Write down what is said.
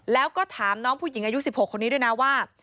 แล้วก็ถามน้องผู้หญิงอายุ๑๖คนนี้ด้วยนะว่า